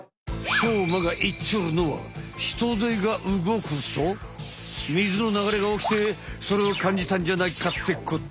しょうまが言っちょるのはヒトデがうごくと水の流れがおきてそれを感じたんじゃないかってこと。